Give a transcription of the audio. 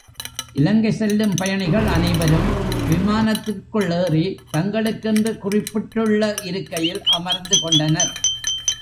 இலங்கை செல்லும் பயணிகள் அனைவரும் விமானத்திற்குள் ஏறி தங்களுக்கென்று குறிப்பிட்டுள்ள இருக்கையில் அமர்ந்து கொண்டனர்.